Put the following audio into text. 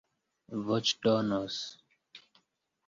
voĉdonos